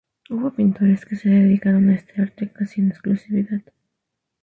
Hubo pintores que se dedicaron a este arte casi en exclusividad.